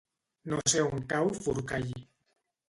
No sé on cau Forcall.